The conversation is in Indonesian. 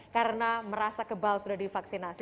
karena merasa kebal sudah divaksinasi